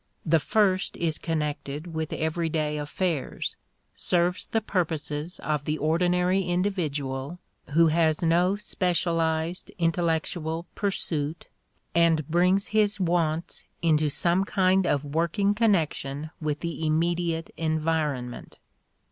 The first is connected with everyday affairs, serves the purposes of the ordinary individual who has no specialized intellectual pursuit, and brings his wants into some kind of working connection with the immediate environment.